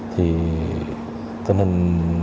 thì tình hình